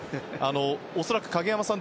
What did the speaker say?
恐らく、影山さん